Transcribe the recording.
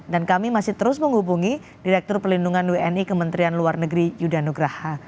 dan kami masih terus menghubungi direktur pelindungan wni kementerian luar negeri yudha nugraha